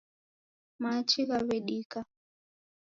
Machi ghaw'edika.